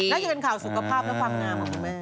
จะเป็นข่าวสุขภาพและความงามของคุณแม่